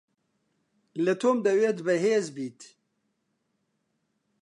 لە تۆم دەوێت بەهێز بیت.